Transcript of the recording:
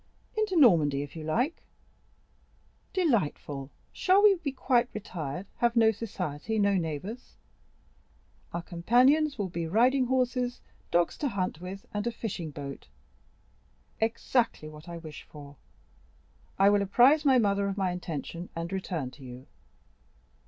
"Into Normandy, if you like." "Delightful; shall we be quite retired? have no society, no neighbors?" "Our companions will be riding horses, dogs to hunt with, and a fishing boat." "Exactly what I wish for; I will apprise my mother of my intention, and return to you."